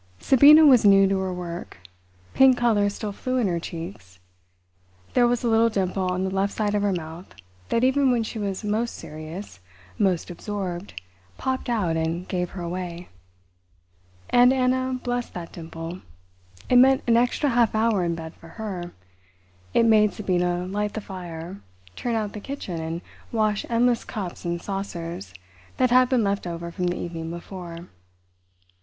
Sabina was new to her work. Pink colour still flew in her cheeks; there was a little dimple on the left side of her mouth that even when she was most serious, most absorbed, popped out and gave her away. And Anna blessed that dimple. It meant an extra half hour in bed for her; it made Sabina light the fire, turn out the kitchen and wash endless cups and saucers that had been left over from the evening before.